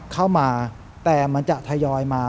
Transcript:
เข้ามาแต่มันจะทยอยมา